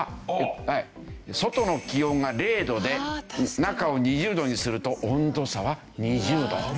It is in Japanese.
外の気温が０度で中を２０度にすると温度差は２０度。